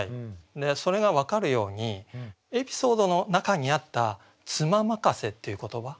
それが分かるようにエピソードの中にあった「妻任せ」っていう言葉